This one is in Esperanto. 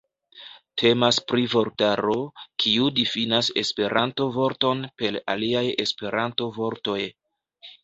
Temas pri vortaro, kiu difinas Esperanto-vorton per aliaj Esperanto-vortoj.